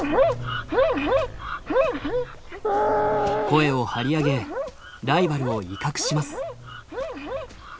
声を張り上げライバルを威嚇します。